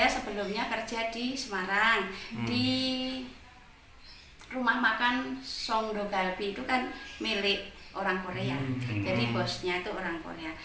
sebelumnya kerja di semarang di rumah makan songdo galpi itu kan milik orang korea jadi bosnya itu orang korea